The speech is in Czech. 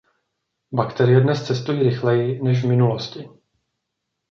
Bakterie dnes cestují rychleji než v minulosti.